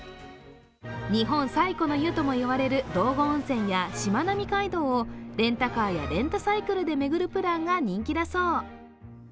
日本最古の湯ともいわれる道後温泉やしまなみ海道をレンタカーやレンタサイクルで巡るプランが人気だそう。